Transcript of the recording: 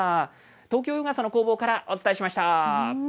東京洋傘の工房からお伝えしました。